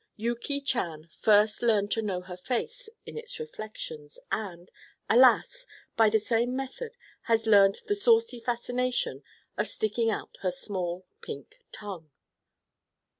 Yuki Chan first learned to know her face in its reflections and, alas! by the same method had learned the saucy fascination of sticking out her small pink tongue.